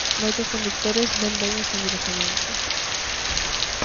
Moitos condutores ven ben este endurecemento.